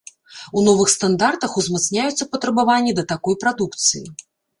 У новых стандартах узмацняюцца патрабаванні да такой прадукцыі.